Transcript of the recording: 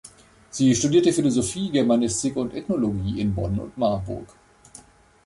Sie studierte Philosophie, Germanistik und Ethnologie in Bonn und Marburg.